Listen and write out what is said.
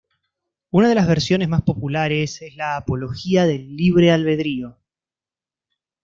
Una de las versiones más populares es la apología del libre albedrío.